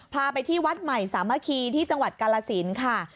พาไปที่วัดใหม่สามัคคีที่จังหวัดกาลสินค่ะ